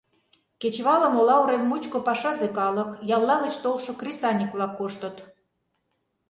Кечывалым ола урем мучко пашазе калык, ялла гыч толшо кресаньык-влак коштыт.